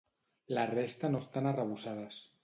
La resta no estan arrebossades.